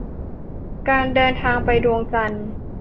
การเดินทางไปดวงจันทร์